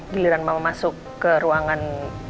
giliran mau masuk ke ruangan